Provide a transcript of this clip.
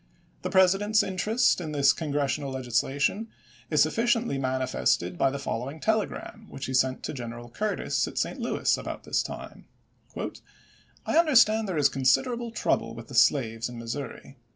The President's inter est in this Congressional legislation is sufficiently manifested by the following telegram, which he sent to General Curtis at St. Louis about this time :" I understand there is considerable trouble with the Lincoln slaves in Missouri.